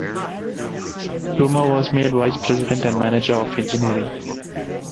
Toomer was made vice president and manager of engineering.